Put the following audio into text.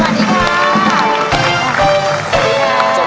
ร้องได้ให้ร้าง